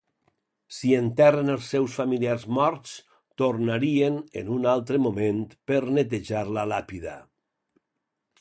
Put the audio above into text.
Si enterren els seus familiars morts, tornarien en algun moment per netejar la làpida.